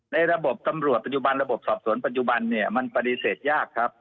ในระบบตำรวจปัจจุบันระบบสอบสวนปัจจุบันเนี่ยมันปฏิเสธยากครับ